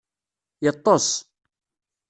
Yeṭṭeṣ.